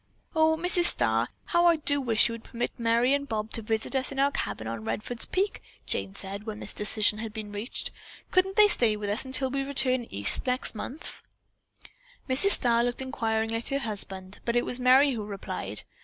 "O, Mrs. Starr, how I do wish you would permit Merry and Bob to visit us in our cabin on Redfords Peak," Jane said when this decision had been reached. "Couldn't they stay until we return East next month?" Mrs. Starr looked inquiringly at her husband, but it was Merry who replied.